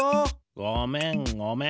ごめんごめん。